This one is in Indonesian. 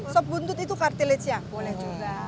sok buntut itu cartilage nya boleh juga